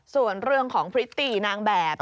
ส่วนเรื่องของพริตตี้นางแบบ